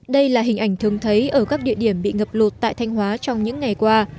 đây là hình ảnh thường thấy ở các địa điểm bị ngập lụt tại thanh hóa trong những ngày qua